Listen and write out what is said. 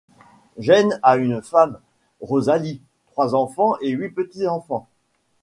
Gene a une femme, Rosalie, trois enfants et huit petits-enfants.